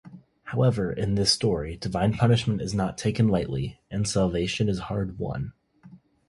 However, in this story, divine punishment is not taken lightly, and salvation is hard-won.